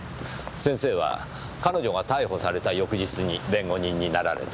先生は彼女が逮捕された翌日に弁護人になられた。